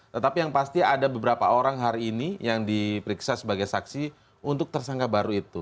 tetapi yang pasti ada beberapa orang hari ini yang diperiksa sebagai saksi untuk tersangka baru itu